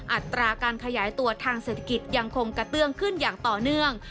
อัตราการขยายตัวทางเศรษฐกิจยังคงกระเตื้องขึ้นอย่างต่อเนื่อง